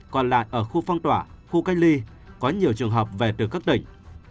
còn lại ở khu phong tỏa khu cách ly có nhiều trường hợp về từ các tỉnh